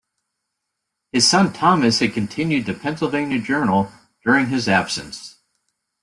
His son Thomas had continued "The Pennsylvania Journal" during his absence.